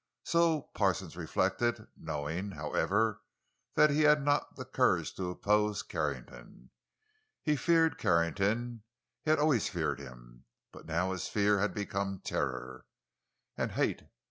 So Parsons reflected, knowing, however, that he had not the courage to oppose Carrington. He feared Carrington; he had always feared him, but now his fear had become terror—and hate.